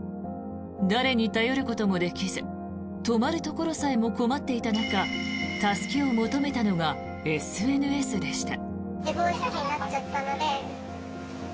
誰に頼ることもできず泊まることさえも困っていた中助けを求めたのがＳＮＳでした。